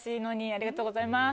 ありがとうございます。